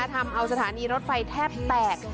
ทำเอาสถานีรถไฟแทบแตก